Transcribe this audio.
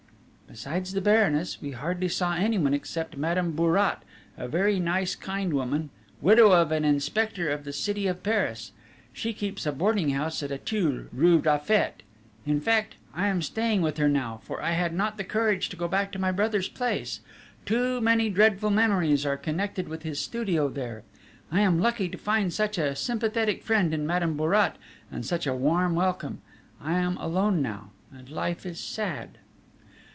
"Besides the Baroness we hardly saw anyone except Madame Bourrat, a very nice, kind woman, widow of an inspector of the City of Paris; she keeps a boarding house at Auteuil, rue Raffet. In fact, I am staying with her now, for I had not the courage to go back to my brother's place: too many dreadful memories are connected with his studio there. I am lucky to find such a sympathetic friend in Madame Bourrat, and such a warm welcome.... I am alone now, and life is sad."